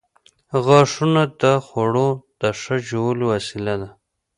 • غاښونه د خوړو د ښه ژولو وسیله ده.